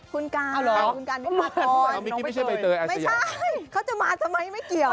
คุณการคุณการไม่มากก่อนน้องใบเตยไม่ใช่เขาจะมาทำไมไม่เกี่ยว